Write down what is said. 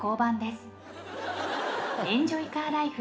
「エンジョイカーライフ」